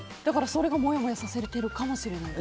それがもやもやさせてるかもしれない。